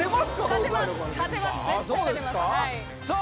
絶対勝てますさあ